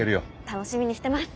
楽しみにしてます。